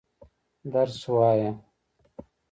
درس وايه.